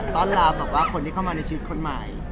ต้อนรับบอกว่าคนที่เข้ามาในชีวิตคนใหม่